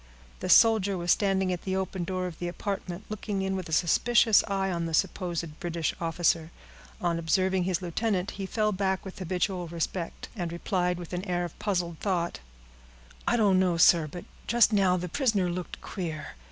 The soldier was standing at the open door of the apartment, looking in with a suspicious eye on the supposed British officer. On observing his lieutenant, he fell back with habitual respect, and replied, with an air of puzzled thought,— "I don't know, sir; but just now the prisoner looked queer.